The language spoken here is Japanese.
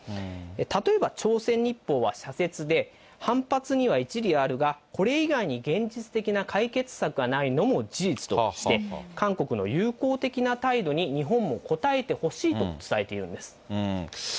例えば、朝鮮日報は社説で、反発には一理あるが、これ以外に現実的な解決策がないのも事実として、韓国の友好的な態度に日本も応えてほしいと伝えているんです。